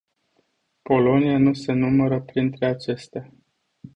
Polonia nu se numără printre acestea.